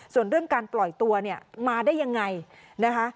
ส่วนเรื่องการปล่อยตัวเนี่ยมาได้ยังไงนะคะ